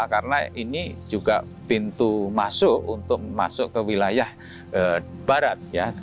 karena ini juga pintu masuk untuk masuk ke wilayah barat